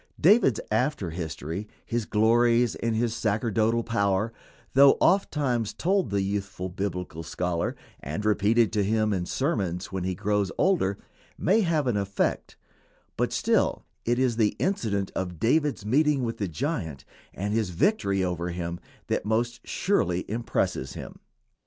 David's after history, his glories and his sacerdotal power, though ofttimes told the youthful Biblical scholar and repeated to him in sermons when he grows older, may have an effect, but still it is the incident of David's meeting with the giant and his victory over him that most surely impresses him.